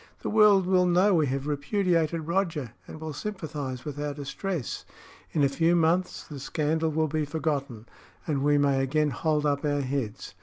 "The world will know we have repudiated Roger, and will sympathise with our distress. In a few months the scandal will be forgotten, and we may again hold up our heads.